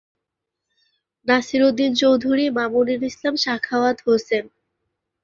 Nasiruddin Chowdhury, Mamunul Islam, Sakhawat Hossain Roni.